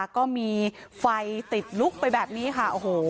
ก็มีไฟติดลุกไปแบบนี้ค่ะ